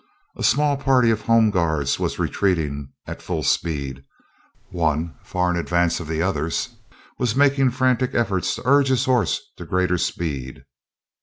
A small party of Home Guards were retreating at full speed; one far in advance of the others was making frantic efforts to urge his horse to greater speed.